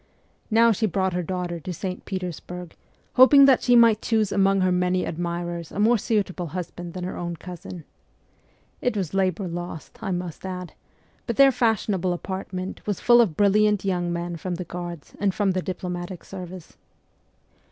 Now she brought her daughter to St. Petersburg, hoping that she might choose among her many admirers a more suitable husband than her own cousin. It was labour lost, I must add ; but their fashionable apartment was full of brilliant young men from the Guards and from the diplomatic service.